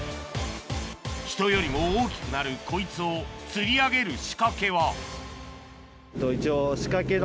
人よりも大きくなるこいつを釣り上げる仕掛けは一応仕掛けの。